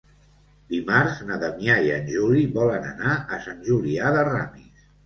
Dimarts na Damià i en Juli volen anar a Sant Julià de Ramis.